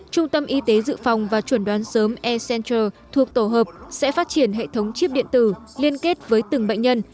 trung tâm y tế dự phòng và chuẩn đoán sớm e central thuộc tổ hợp sẽ phát triển hệ thống chip điện tử liên kết với từng bệnh nhân